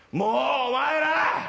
お前ら！